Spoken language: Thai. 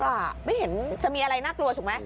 ไม่เห็นจะมีอะไรน่ากลัวถูกไหม